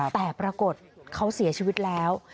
แต่ปรากฏเขาเสียชีวิตแล้ว